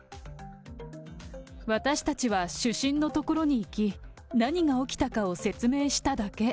私たちは主審の所に行き、何が起きたかを説明しただけ。